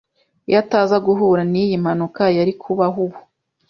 Iyo ataza guhura niyi mpanuka, yari kubaho ubu.